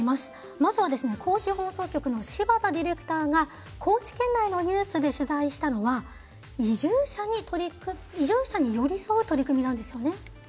まずは、高知放送局の柴田ディレクターが高知県内で取材したのが移住者に寄り添う取り組みなんですよね。